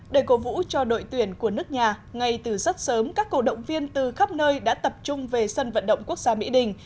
để cố vũ cho đội tuyển của nước nhà ngay từ rất sớm các cổ động viên từ khắp nơi đã tập trung về sân vận động quốc gia mỹ đình